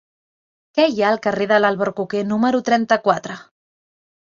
Què hi ha al carrer de l'Albercoquer número trenta-quatre?